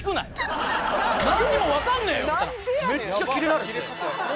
みたいなめっちゃキレられて。